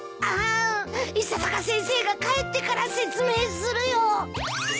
あ伊佐坂先生が帰ってから説明するよ。